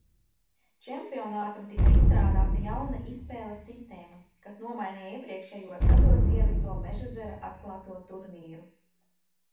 Čempionātam tika izstrādāta jauna izspēles sistēma, kas nomainīja iepriekšējos gados ierasto Mežezera atklāto turnīru.